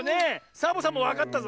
サボさんもわかったぞ。